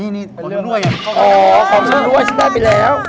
อ๋อของช่วงด้วยฉันได้ไปแล้ว